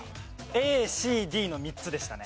ＡＣＤの３つでしたね。